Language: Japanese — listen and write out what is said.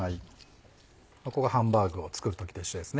ここがハンバーグを作る時と一緒です。